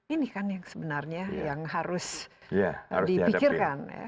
ini kan yang sebenarnya yang harus dipikirkan